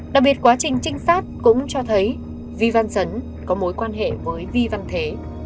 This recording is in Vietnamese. đặc biệt quá trình trinh sát cũng cho thấy vi văn sấn có mối quan hệ với vi văn thế